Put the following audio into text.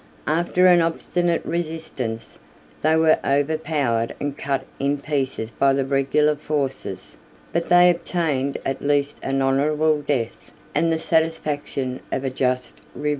After an obstinate resistance, they were overpowered and cut in pieces by the regular forces; but they obtained at least an honorable death, and the satisfaction of a just revenge.